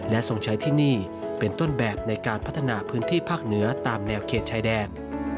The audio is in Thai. ทรงใช้ที่นี่เป็นต้นแบบในการพัฒนาพื้นที่ภาคเหนือตามแนวเขตชายแดน